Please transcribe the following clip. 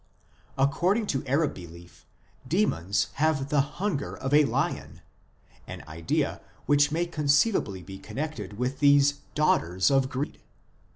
According to Arab belief demons have the hunger of a lion, an idea which may conceivably be connected with these " daughters of greed